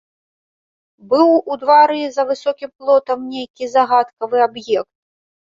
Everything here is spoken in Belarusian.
Быў у двары за высокім плотам нейкі загадкавы аб'ект.